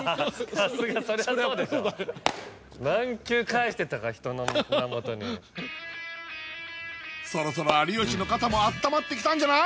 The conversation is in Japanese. さすがそれはそうでしょ何球返してたか人の胸元にそろそろ有吉の肩もあったまってきたんじゃない？